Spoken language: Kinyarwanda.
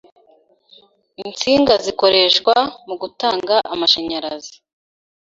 Insinga zikoreshwa mugutanga amashanyarazi.